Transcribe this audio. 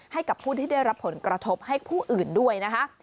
ให้กับผู้ที่ได้รับผลกระทบให้ผู้อื่นด้วยนะคะ